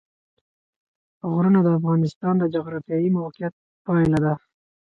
غرونه د افغانستان د جغرافیایي موقیعت پایله ده.